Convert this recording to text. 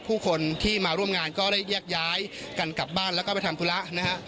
ผู้คนที่มาร่วมงานก็ได้แยกย้ายกันกลับบ้านแล้วก็ไปทำธุระนะฮะ